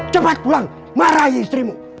cepat pulang marahi istrimu